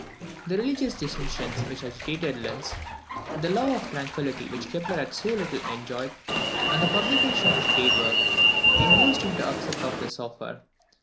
The religious dissensions which agitated Linz, the love of tranquillity which Kepler had so little enjoyed, and the publication of his great work, induced him to accept of this offer.